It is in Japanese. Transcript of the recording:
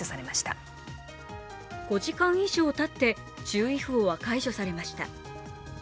５時間以上たって、注意報は解除されました。